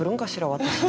私。